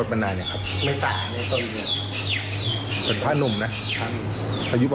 ผ่านไปกี่วันแล้วครับ